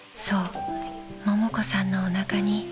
［そうももこさんのおなかに］